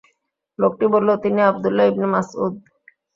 লোকটি বলল, তিনি আবদুল্লাহ ইবনে মাসউদ।